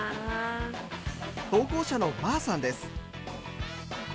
投稿者のまぁさんです。